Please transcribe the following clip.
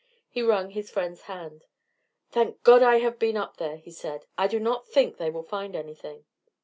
He wrung his friend's hand. "Thank God I have been up there," he said. "I do not think they will find anything."